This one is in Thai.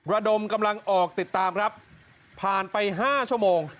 ระดมกำลังออกติดตามครับผ่านไป๕ชั่วโมง